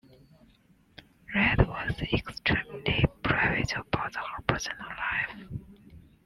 Ride was extremely private about her personal life.